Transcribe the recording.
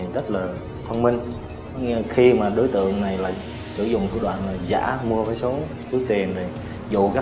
để đối tượng đứng trên đường